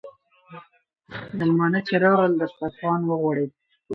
میلمانه چې راغلل، دسترخوان وغوړېد.